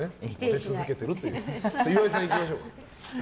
岩井さんいきましょうか。